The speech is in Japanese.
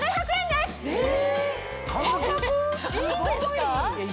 すごい！